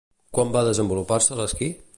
Quan va desenvolupar-se l'esquí?